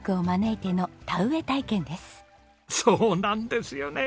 そうなんですよね。